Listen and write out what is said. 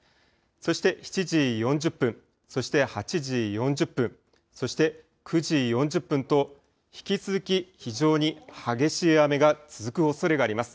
そして７時４０分、そして８時４０分、そして９時４０分と引き続き非常に激しい雨が続くおそれがあります。